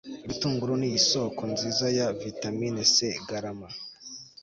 ibitunguru ni isoko nziza ya vitamine c. garama